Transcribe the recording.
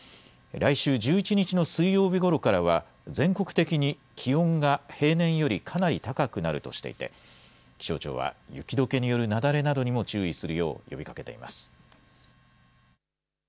来週１１日の水曜日ごろからは、全国的に、気温が平年よりかなり高くなるとしていて、気象庁は雪どけによる雪崩などにも注意するよう呼びかけています。